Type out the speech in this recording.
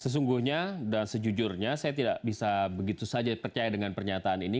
sesungguhnya dan sejujurnya saya tidak bisa begitu saja percaya dengan pernyataan ini